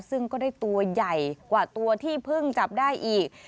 ซึ่งก็ได้ตัวใหญ่กว่าตัวที่เพิ่งจับได้อีก